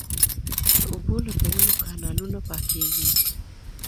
د اوبو لګولو کانالونه پاکیږي